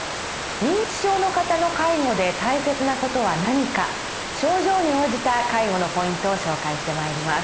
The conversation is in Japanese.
認知症の方の介護で大切な事は何か症状に応じた介護のポイントを紹介してまいります。